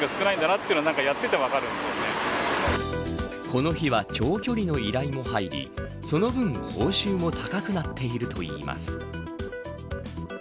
この日は長距離の依頼も入りその分、報酬も高くなっているといいます。